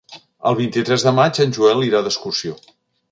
El vint-i-tres de maig en Joel irà d'excursió.